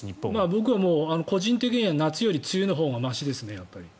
僕は個人的には夏より梅雨のほうがましですね。